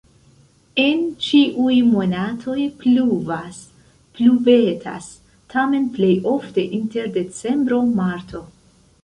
En ĉiuj monatoj pluvas-pluvetas, tamen plej ofte inter decembro-marto.